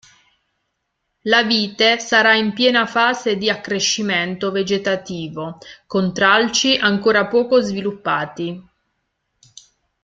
La vite sarà in piena fase di accrescimento vegetativo, con tralci ancora poco sviluppati.